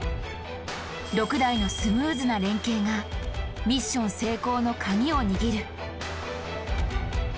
６台のスムーズな連携がミッション成功のカギを握る。